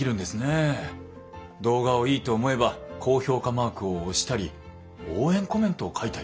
動画をいいと思えば高評価マークを押したり応援コメントを書いたり。